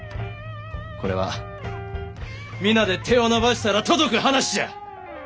これは皆で手を伸ばしたら届く話じゃ！